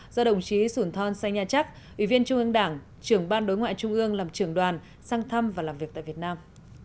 do đồng chí sủn thon say nha trắc ủy viên trung ương đảng trưởng ban đối ngoại trung ương làm trưởng đoàn sang thăm và làm việc tại việt nam